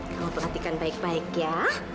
kalau perhatikan baik baik ya